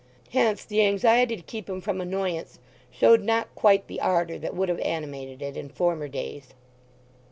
Hence the anxiety to keep him from annoyance showed not quite the ardour that would have animated it in former days.